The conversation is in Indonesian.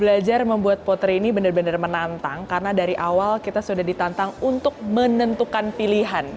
belajar membuat poteri ini benar benar menantang karena dari awal kita sudah ditantang untuk menentukan pilihan